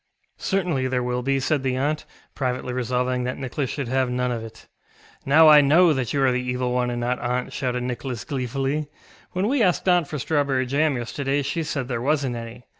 ŌĆ£Certainly there will be, ŌĆØ said the aunt, privately resolving that Nicholas should have none of it. ŌĆ£Now I know that you are the Evil One and not aunt, ŌĆØ shouted Nicholas gleefully; ŌĆ£when we asked aunt for strawberry jam yesterday she said there wasnŌĆÖt any.